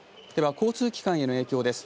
交通機関への影響です。